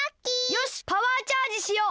よしパワーチャージしよう。